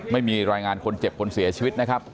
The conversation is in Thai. ไม่มีรายงานคนเจ็บคนเสียชีวิตนะครับ